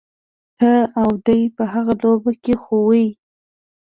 ته او دی په هغه لوبه کي خو خوئ.